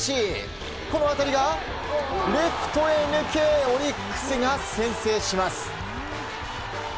この当たりがレフトへ抜けオリックスが先制します。